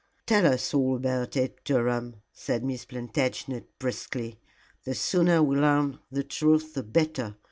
"Tell us all about it, Durham," said Miss Plantagenet, briskly. "The sooner we learn the truth the better.